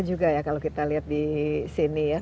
juga ya kalau kita lihat disini ya